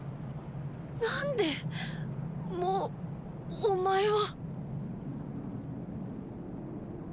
何でもうお前は！煖。